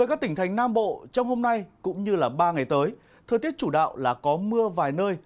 các tỉnh thành nam bộ trong hôm nay cũng như ba ngày tới thời tiết chủ đạo là có mưa vài nơi